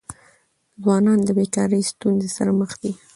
ځوانان د بيکاری ستونزې سره مخ دي.